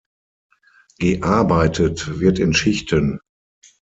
Gearbeitet wird in Schichten.